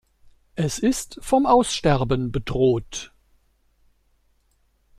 Es ist vom Aussterben bedroht.